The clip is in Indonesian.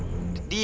kok di sini